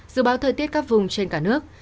dự báo thời tiết các vùng trên cả nước